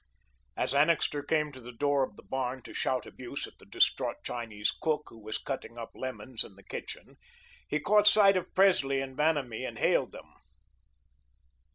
As Annixter came to the door of the barn to shout abuse at the distraught Chinese cook who was cutting up lemons in the kitchen, he caught sight of Presley and Vanamee and hailed them.